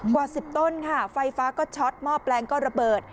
กว่า๑๐ต้นค่ะไฟฟ้าก็ช็อตหม้อแปลงก็ระเบิด